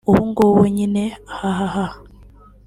“ubungubu nyine ahhh